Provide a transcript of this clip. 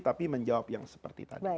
tapi menjawab yang seperti tadi